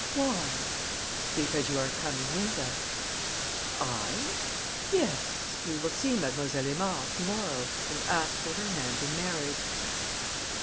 "Why?" "Because you are coming with us." "I?" "Yes. You will see Mlle. Aymard to morrow and ask for her hand in marriage."